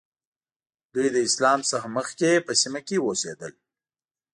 دوی له اسلام څخه مخکې په سیمه کې اوسېدل.